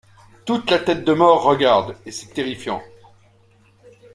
Toute la tête de mort regarde, et c’est terrifiant.